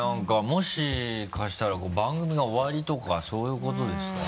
もしかしたら番組が終わりとかそういうことですか？